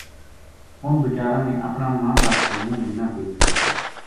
اُنھ بچاراں نے اپنا باپ کو منہ بے نہ ہیر سکیو